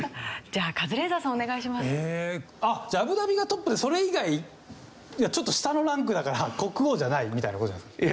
じゃあアブダビがトップでそれ以外がちょっと下のランクだから国王じゃないみたいな事じゃないですか。